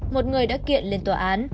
một người đã kiện lên tòa án